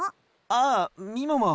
ああみもも。